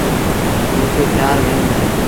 موݩ کي شآهر وهيٚڻون اهي